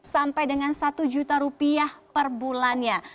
sampai dengan satu juta rupiah per bulannya